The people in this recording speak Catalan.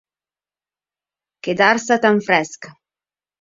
Quedar-se tan fresc.